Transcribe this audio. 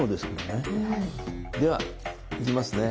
ではいきますね。